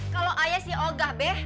kalau ayah si oga beh